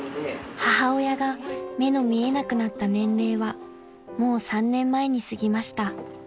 ［母親が目の見えなくなった年齢はもう３年前に過ぎました］